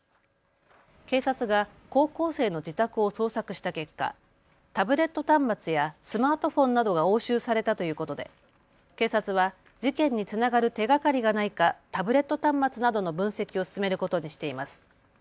警察が高校生の自宅を捜索した結果、タブレット端末やスマートフォンなどが押収されたということで警察は事件につながる手がかりがないかタブレット端末などの分析を進めることにしています。